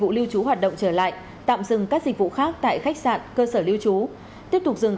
lưu trú hoạt động trở lại tạm dừng các dịch vụ khác tại khách sạn cơ sở lưu trú tiếp tục dừng